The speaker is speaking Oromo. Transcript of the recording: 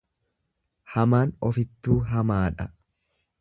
Hamaan ofittuu hamaadha.